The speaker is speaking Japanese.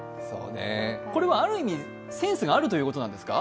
これはある意味センスがあるということですか？